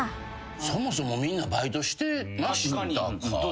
そもそもみんなバイトしてましたか？